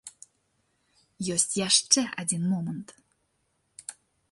Ёсць яшчэ адзін момант.